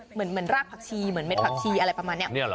เหมือนรากผักชีเหมือนเด็ดผักชีอะไรประมาณนี้